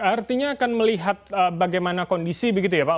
artinya akan melihat bagaimana kondisi begitu ya pak